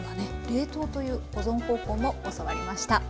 冷凍という保存方法も教わりました。